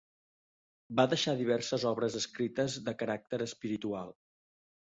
Va deixar diverses obres escrites de caràcter espiritual.